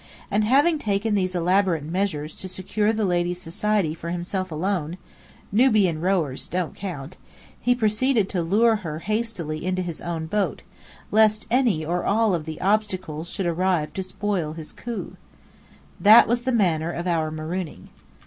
And having taken these elaborate measures to secure the lady's society for himself alone (Nubian rowers don't count) he proceeded to lure her hastily into his own boat, lest any or all of the Obstacles should arrive to spoil his coup. That was the manner of our marooning.